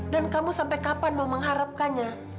kamu sampai kapan mau mengharapkannya